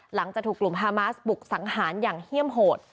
หลังจากถูกกลุ่มฮามาสบุกสังหารอย่างเฮี่ยมโหด